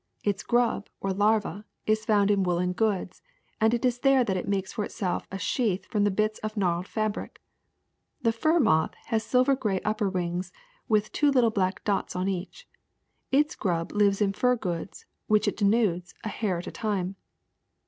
Its grub, or larva, is found in woolen goods, and it is there that it makes for itself a sheath from the bits of the gnawed fabric. *'The fur moth has silver gray upper wings with two little black dots on each. Its grub lives in fur goods, which it denudes, a hair at a time.